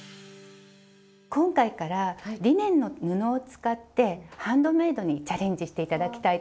今回からリネンの布を使ってハンドメイドにチャレンジして頂きたいと思います。